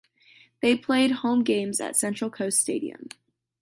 They play home games at Central Coast Stadium.